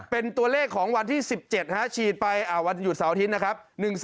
เป็นตัวเลขของวันที่๑๗ฉีดไปวันหยุดเสาร์อาทิตย์นะครับ